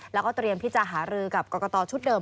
แล้วก็เตรียมที่จะหารือกับกรกตชุดเดิม